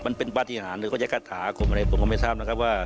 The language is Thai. มันเป็นปฏิหารหรือเขาจะกระถาผมก็ไม่ทราบนะครับว่า